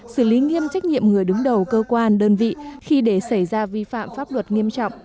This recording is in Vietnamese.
xử lý nghiêm trách nhiệm người đứng đầu cơ quan đơn vị khi để xảy ra vi phạm pháp luật nghiêm trọng